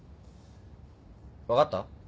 分かった？